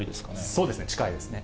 そうですね、近いですね。